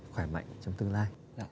khỏe mạnh trong tương lai